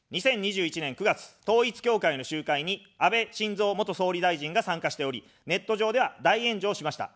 ２０２１年９月、統一教会の集会に安倍晋三元総理大臣が参加しており、ネット上では大炎上しました。